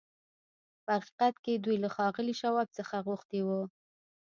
په حقيقت کې دوی له ښاغلي شواب څخه غوښتي وو.